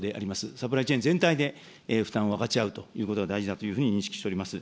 サプライチェーン全体で負担を分かち合うということが大事だというふうに認識しております。